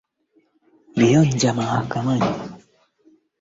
hadi kushindwa pale mwaka elfumoja miatisa sabini na tano